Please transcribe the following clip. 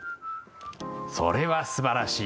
それはすばらしい。